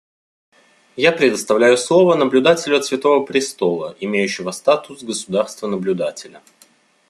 Я предоставляю слово наблюдателю от Святого Престола, имеющего статус государства-наблюдателя.